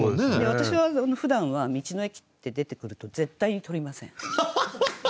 私はふだんは「道の駅」って出てくると絶対にとりません。